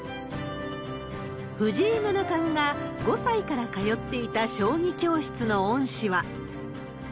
藤井七冠が５歳から通っていた将棋教室の恩師は。